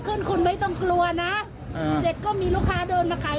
สวยชีวิตทั้งคู่ก็ออกมาไม่ได้อีกเลยครับ